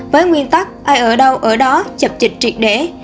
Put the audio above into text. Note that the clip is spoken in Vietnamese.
với nguyên tắc ai ở đâu ở đó chập trịch triệt để